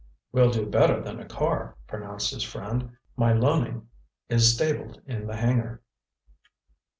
"We'll do better than a car," pronounced his friend. "My Loening is stabled in the hangar."